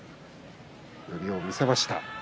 寄りを見せました。